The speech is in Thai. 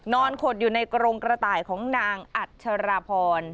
ขดอยู่ในกรงกระต่ายของนางอัชราพร